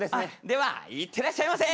では行ってらっしゃいませ！